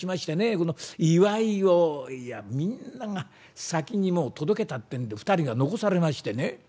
この祝いをみんなが先にもう届けたってんで２人が残されましてね」。